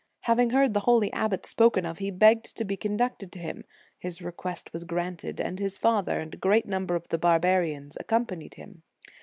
Having heard the holy abbot spoken of, he begged to be conducted to him; his request was granted, and his father and a great number of the barbarians accompanied him.